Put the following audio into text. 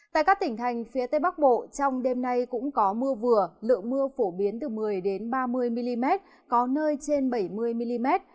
tại các tỉnh thành phía tây bắc bộ trong đêm nay cũng có mưa vừa lượng mưa phổ biến từ một mươi ba mươi mm có nơi trên bảy mươi mm